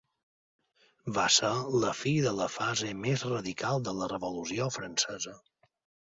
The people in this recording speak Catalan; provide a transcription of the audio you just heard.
Va ser la fi de la fase més radical de la Revolució francesa.